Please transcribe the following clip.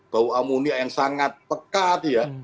bau amonia yang sangat pekat ya